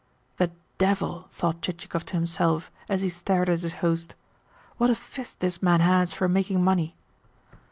"The devil!" thought Chichikov to himself as he stared at his host. "What a fist this man has for making money!"